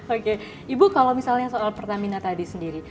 oke ibu kalau misalnya soal pertamina tadi sendiri